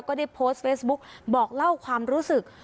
ก็ได้โพสต์เฟซบุ๊กบอกเล่าความรู้สึก